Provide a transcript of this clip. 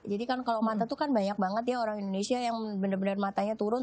jadi kan kalau mata itu kan banyak banget ya orang indonesia yang benar benar matanya turun